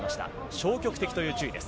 消極的という注意です。